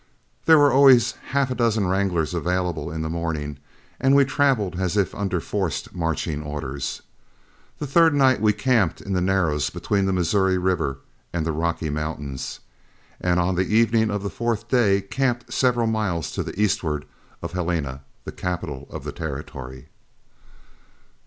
There were always half a dozen wranglers available in the morning, and we traveled as if under forced marching orders. The third night we camped in the narrows between the Missouri River and the Rocky Mountains, and on the evening of the fourth day camped several miles to the eastward of Helena, the capital of the territory.